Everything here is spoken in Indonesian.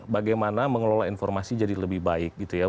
bagaimana mengelola informasi jadi lebih baik gitu ya